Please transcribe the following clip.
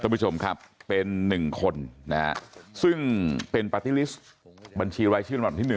ต่อผู้ชมครับเป็น๑คนในซึ่งเป็นปาร์ตี้ลิสต์บัญชีรายชื่อประมาณ๑